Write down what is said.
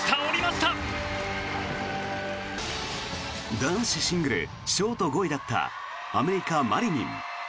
男子シングルショート５位だったアメリカ、マリニン。